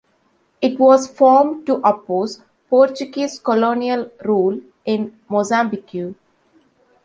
It was formed to oppose Portuguese colonial rule in Mozambique.